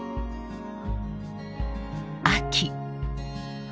［秋］